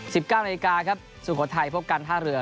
๑๙นาทีครับสุโขทัยพบกัน๕เหลือ